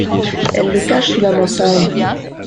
Elle le cache sous la mansarde.